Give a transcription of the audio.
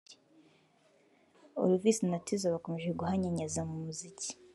Olivis na Tizzo bakomeje guhanyanyaza mu muziki